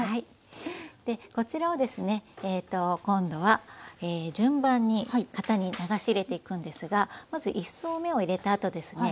でこちらをですね今度は順番に型に流し入れていくんですがまず１層目を入れたあとですね